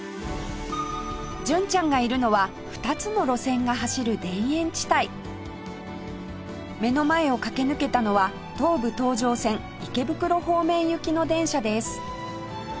純ちゃんがいるのは２つの路線が走る田園地帯目の前を駆け抜けたのは東武東上線池袋方面行きの電車です